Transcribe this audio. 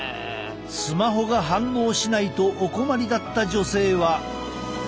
スマホが反応しないとお困りだった女性は。